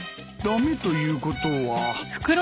駄目ということは。